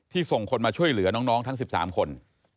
ส่งคนมาช่วยเหลือน้องทั้ง๑๓คน